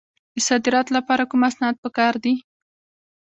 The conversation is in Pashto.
د صادراتو لپاره کوم اسناد پکار دي؟